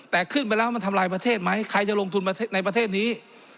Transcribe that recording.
แต่ขึ้นไปแล้วมันทำลายประเทศไหมใครจะลงทุนในประเทศนี้